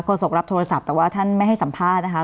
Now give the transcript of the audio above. โศกรับโทรศัพท์แต่ว่าท่านไม่ให้สัมภาษณ์นะคะ